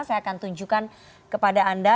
saya akan tunjukkan kepada anda